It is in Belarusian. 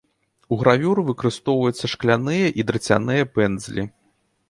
У гравюры выкарыстоўваюцца шкляныя і драцяныя пэндзлі.